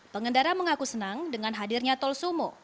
pengendara mengaku senang dengan hadirnya tol sumo